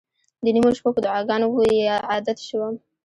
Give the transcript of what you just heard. د نیمو شپو په دعاګانو عادت شوم.